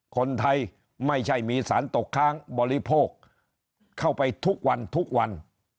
คนไทยไม่ใช่มีสารตกค้างบริโภคเข้าไปทุกวันทุกวัน